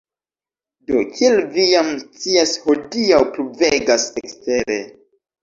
Do, kiel vi jam scias hodiaŭ pluvegas ekstere